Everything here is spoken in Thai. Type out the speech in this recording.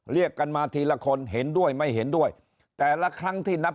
เรียกกันมาทีละคนเห็นด้วยไม่เห็นด้วยแต่ละครั้งที่นับ